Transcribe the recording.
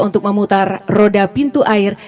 untuk memutar roda pintu air